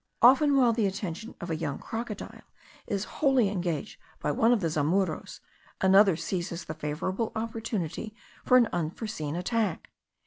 Often while the attention of a young crocodile is wholly engaged by one of the zamuros, another seizes the favourable opportunity for an unforeseen attack.